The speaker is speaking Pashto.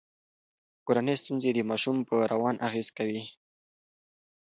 کورنۍ ستونزې د ماشوم په روان اغیز کوي.